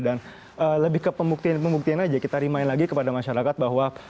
dan lebih ke pembuktian pembuktian aja kita remind lagi kepada masyarakat bahwa